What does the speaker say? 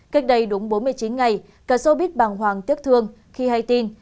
cách đây đúng bốn mươi chín ngày cả showbiz bàng hoàng tiếc thương khi hay tin